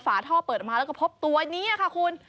ฝาท่อเปิดออกมาแล้วก็พบตัวนี้ค่ะคุณ